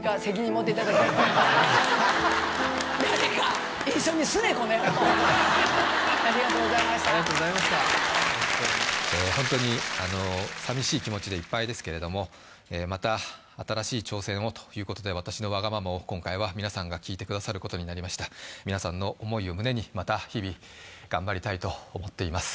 ホントにホントに寂しい気持ちでいっぱいですけれどもまた新しい挑戦をということで私のワガママを今回は皆さんが聞いてくださることになりました皆さんの思いを胸にまた日々頑張りたいと思っています